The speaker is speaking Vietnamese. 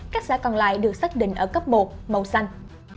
các xã còn lại được xác định ở cấp một màu xanh